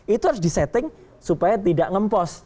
itu harus di setting supaya tidak ngempos